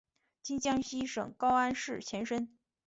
今江西省高安市前身。